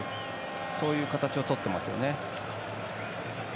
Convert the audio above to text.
そういう形をとっていますね。